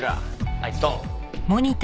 はいドン！